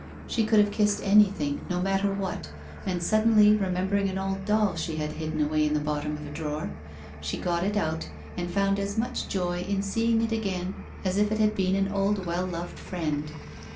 She could have kissed anything, no matter what, and suddenly remembering an old doll she had hidden away in the bottom of a drawer, she got it out and found as much joy in seeing it again as if it had been an old AvcU loved friend.